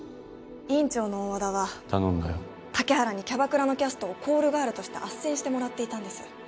院長の大和田は竹原にキャバクラのキャストをコールガールとしてあっせんしてもらっていたんです